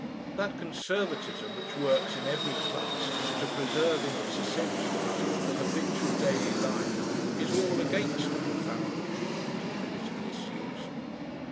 That conservatism which works in every class to preserve in its essentials the habitual daily life is all against a profounder treatment of political issues.